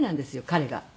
彼が。